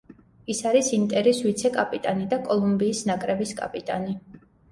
ის არის ინტერის ვიცე-კაპიტანი და კოლუმბიის ნაკრების კაპიტანი.